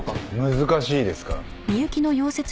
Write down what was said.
難しいですか？